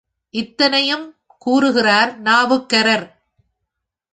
இத்தனையும் கூறுகிறார் நாவுக்கரர்.